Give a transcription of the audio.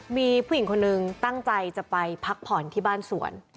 มีผู้หญิงคนนึงตั้งใจจะไปพักผ่อนที่บ้านสวน